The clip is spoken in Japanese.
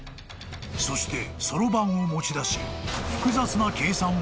［そしてそろばんを持ちだし複雑な計算を始めた］